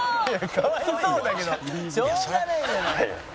「かわいそうだけどしょうがないじゃない」